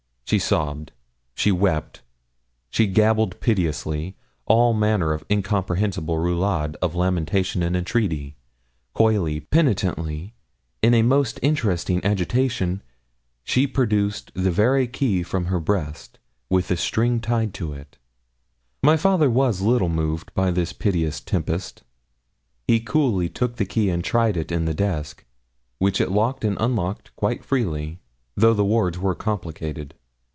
She sobbed, she wept, she gabbled piteously, all manner of incomprehensible roulades of lamentation and entreaty; coyly, penitently, in a most interesting agitation, she produced the very key from her breast, with a string tied to it. My father was little moved by this piteous tempest. He coolly took the key and tried it in the desk, which it locked and unlocked quite freely, though the wards were complicated.